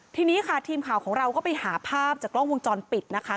ทีนี้ค่ะทีมข่าวของเราก็ไปหาภาพจากกล้องวงจรปิดนะคะ